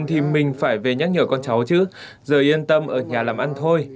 thì mình phải về nhắc nhở con cháu chứ giờ yên tâm ở nhà làm ăn thôi